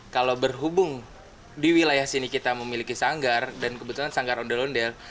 kalau berhubung di wilayah sini kita memiliki sanggar dan kebetulan sanggar ondel ondel